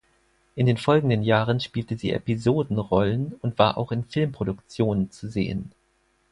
In den folgenden Jahren spielte sie Episodenrollen und war auch in Filmproduktionen zu sehen.